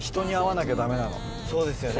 そうですよね。